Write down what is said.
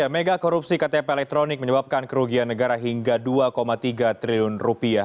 mega korupsi ktp elektronik menyebabkan kerugian negara hingga dua tiga triliun rupiah